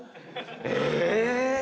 え